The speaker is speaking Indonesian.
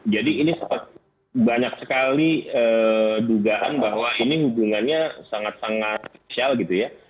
jadi ini banyak sekali dugaan bahwa ini hubungannya sangat sangat spesial gitu ya